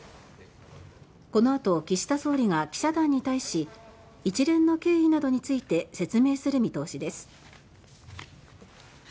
このあと岸田総理が記者団に対し一連の経緯などについて説明する見通しです。